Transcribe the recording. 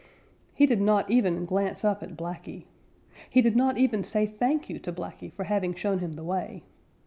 He did not even glance up at Blacky. He did not even say thank you to Blacky for having shown him the way.